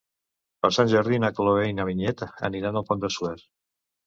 Per Sant Jordi na Cloè i na Vinyet aniran al Pont de Suert.